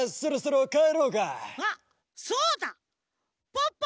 ポッポ！